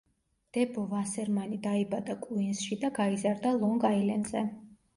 დებო ვასერმანი დაიბადა კუინზში და გაიზარდა ლონგ-აილენდზე.